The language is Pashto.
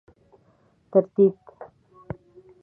ترتیب